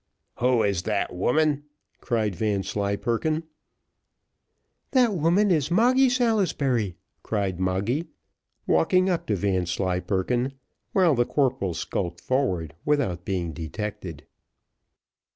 "Who is that woman?" cried Vanslyperken. "That woman is Moggy Salisbury," cried Moggy, walking up to Vanslyperken, while the corporal skulked forward without being detected.